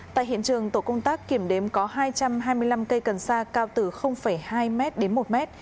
tại hiện trường tổ công tác kiểm đếm có hai trăm hai mươi năm cây cần sa cao từ hai m đến một mét